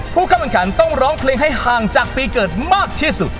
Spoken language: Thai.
ผู้เข้าแข่งขันต้องร้องเพลงให้ห่างจากปีเกิดมากที่สุด